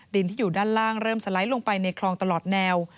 ดินที่อยู่ด้านล่างเริ่มสไลด์ลงไปในคลองตลอดแนว